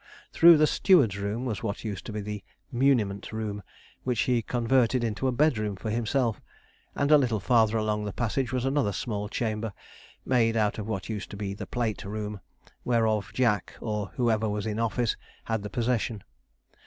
Through the steward's room was what used to be the muniment room, which he converted into a bedroom for himself; and a little farther along the passage was another small chamber, made out of what used to be the plate room, whereof Jack, or whoever was in office, had the possession.